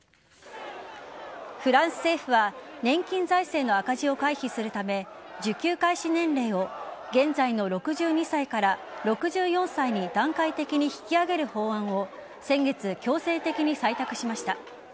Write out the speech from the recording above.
フランス政府は年金財政の赤字を回避するため受給開始年齢を現在の６２歳から６４歳に段階的に引き上げる法案を先月、強制的に採択しました。